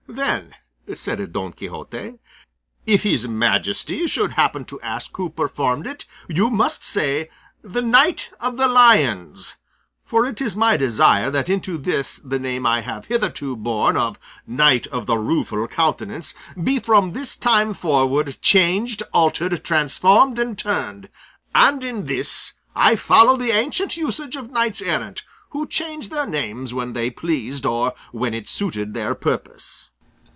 "Then," said Don Quixote, "if his Majesty should happen to ask who performed it, you must say THE KNIGHT OF THE LIONS; for it is my desire that into this the name I have hitherto borne of Knight of the Rueful Countenance be from this time forward changed, altered, transformed, and turned; and in this I follow the ancient usage of knights errant, who changed their names when they pleased, or when it suited their purpose."